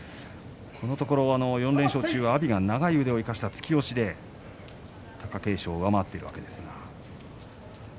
このところ４連勝中阿炎は長い腕を生かした突き押しで貴景勝を上回っています。